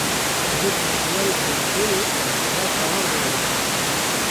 Divê pêşniyarên komîsyonê li ber çavan bên girtin